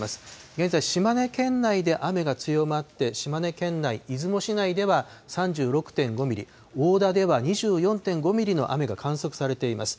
現在、島根県内で雨が強まって、島根県内、出雲市内では３６．５ミリ、大田では２４．５ミリの雨が観測されています。